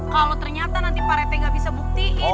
kalau ternyata nanti pak rt nggak bisa buktiin